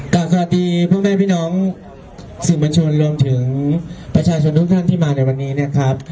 ขอขอตีพวกแม่พี่น้องสิ่งประชวนรวมถึงประชาชนทุกท่านที่มาในวันนี้นะครับ